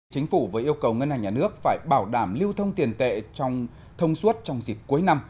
chính phủ với yêu cầu ngân hàng nhà nước phải bảo đảm lưu thông tiền tệ trong thông suốt trong dịp cuối năm